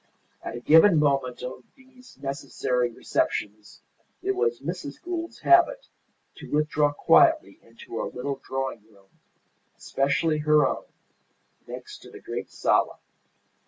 At a given moment of these necessary receptions it was Mrs. Gould's habit to withdraw quietly into a little drawing room, especially her own, next to the great sala.